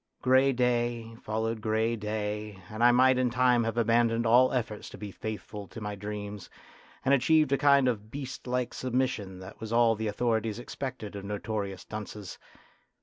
Grey day followed grey day, and I might in time have abandoned all efforts to be faithful to my dreams, and achieved a kind of beast like submission that was all the authorities expected of notorious dunces.